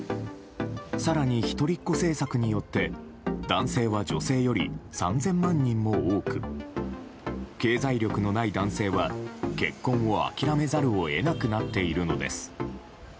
更に、一人っ子政策によって男性は女性より３０００万人も多く経済力のない男性は結婚を諦めざるを得なくなっているのです。